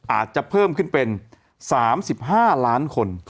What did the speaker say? อาจจะเพิ่มขึ้นเป็น๓๕ล้านคน